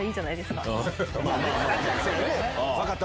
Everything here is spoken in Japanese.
分かった！